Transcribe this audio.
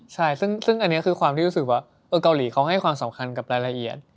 ใช่ซึ่งอันนี้คือความที่รู้สึกว่าเกาหลีเขาให้ความสำคัญกับรายละเอียด